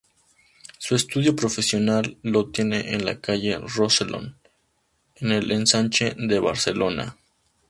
Su estudio profesional lo tiene en la calle Rosellón, en el Ensanche de Barcelona.